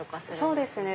そうですね。